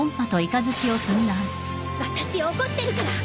私怒ってるから。